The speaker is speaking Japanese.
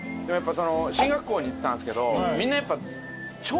進学校に行ってたんですけどみんなやっぱ。